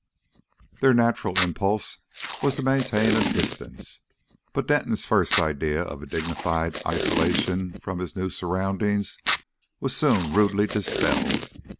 Their natural impulse was to maintain a "distance." But Denton's first idea of a dignified isolation from his new surroundings was soon rudely dispelled.